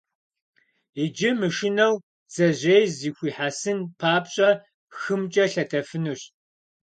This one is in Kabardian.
Иджы, мышынэу, бдзэжьей зыхуихьэсын папщӀэ, хымкӀэ лъэтэфынущ.